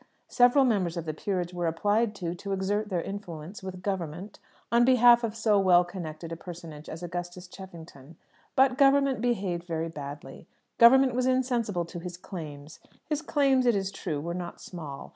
Several members of the Peerage were applied to, to exert their influence with "Government" on behalf of so well connected a personage as Augustus Cheffington. But "Government" behaved very badly, "Government" was insensible to his claims. His claims, it is true, were not small.